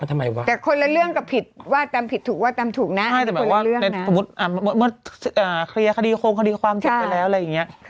แบทแบบว่าเมื่อเคลียร์คดีโครงคดีความเสมอไปละ